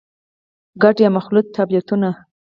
ګډ يا مخلوط ټابليټونه: